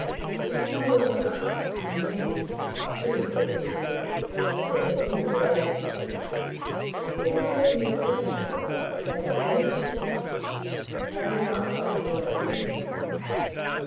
"You can tell her about US. I mean," she wonderfully pursued, "that you do still like me." It was indeed so wonderful that it amused him. "Only not that you still like me."